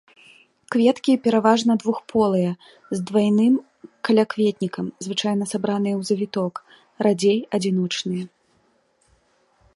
Кветкі пераважна двухполыя, з двайным калякветнікам, звычайна сабраныя ў завіток, радзей адзіночныя.